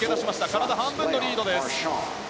体半分のリードです。